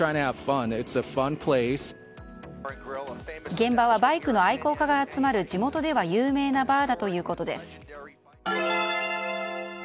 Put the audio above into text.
現場はバイクの愛好家が集まる地元では有名なバーだということです。